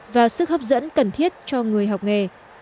và sức hấp dẫn cần thiết cho người học nghề